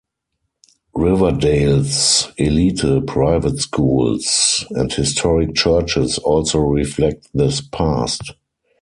Riverdale's elite private schools and historic churches also reflect this past.